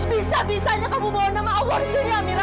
bisa bisanya kamu bohong nama allah di dunia amira